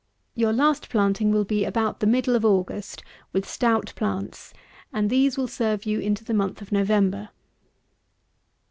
Your last planting will be about the middle of August, with stout plants, and these will serve you into the month of November.